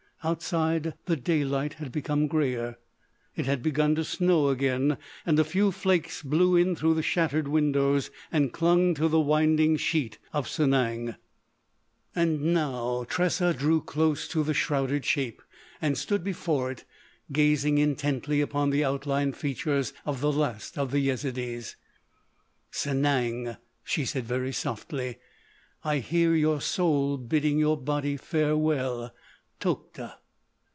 Outside, the daylight had become greyer. It had begun to snow again, and a few flakes blew in through the shattered windows and clung to the winding sheet of Sanang. And now Tressa drew close to the shrouded shape and stood before it, gazing intently upon the outlined features of the last of the Yezidees. "Sanang," she said very softly, "I hear your soul bidding your body farewell. Tokhta!"